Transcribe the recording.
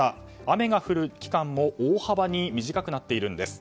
雨が降る期間も大幅に短くなっているんです。